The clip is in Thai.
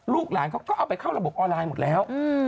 ลูกหลานเขาก็เอาไปเข้าระบบออนไลน์หมดแล้ว